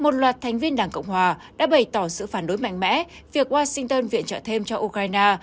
một loạt thành viên đảng cộng hòa đã bày tỏ sự phản đối mạnh mẽ việc washington viện trợ thêm cho ukraine